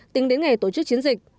tính đến ngày tổ chức chiến dịch